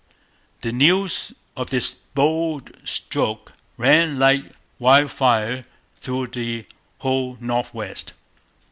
The news of this bold stroke ran like wildfire through the whole North West.